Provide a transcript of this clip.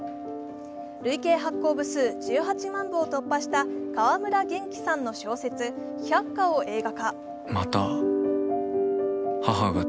累計発行部数１８万部を発行した川村元気さんの小説「百花」を映画化。